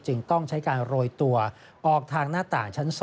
ต้องใช้การโรยตัวออกทางหน้าต่างชั้น๒